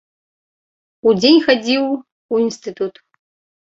Удзень хадзіў у інстытут.